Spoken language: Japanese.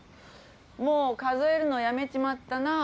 もう数えるのやめちまったなぁ。